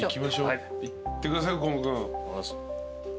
いってください右近君。